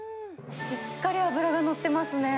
しっかり脂が乗ってますね。